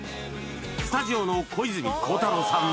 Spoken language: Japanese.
スタジオの小泉孝太郎さん